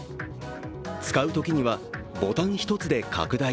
使うときには、ボタン一つで拡大。